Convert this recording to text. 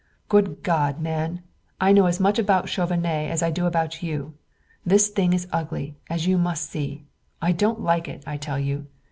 "Good God, man! I know as much about Chauvenet as I do about you. This thing is ugly, as you must see. I don't like it, I tell you!